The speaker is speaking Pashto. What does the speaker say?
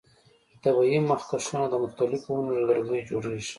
طبیعي مخکشونه د مختلفو ونو له لرګیو جوړیږي.